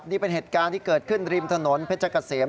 นี่เป็นเหตุการณ์ที่เกิดขึ้นริมถนนเพชรเกษม